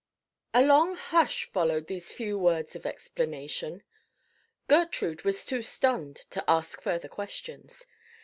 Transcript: A LONG hush followed these few words of explanation. Gertrude was too stunned to ask further questions.